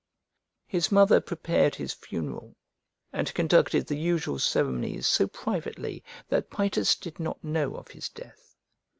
His mother prepared his funeral and conducted the usual ceremonies so privately that Paetus did not know of his death.